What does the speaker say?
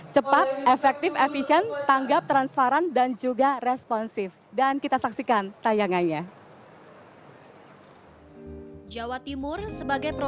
keputusan gubernur jawa timur